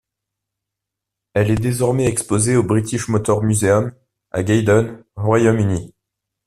Elle est désormais exposée au British Motor Museum à Gaydon, Royaume-Uni.